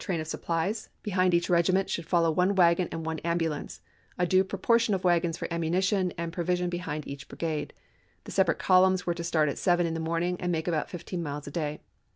tram of supplies ; behind each regiment should follow one wagon and one ambulance ; a due pro portion of wagons for ammunition and provision behind each brigade ; the separate columns were to start at seven in the morning and make about fifteen miles a day.